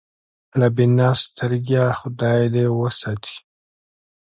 له بینا سترګېه خدای دې وساتي.